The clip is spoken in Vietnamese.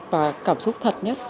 cái cảm xúc thật nhất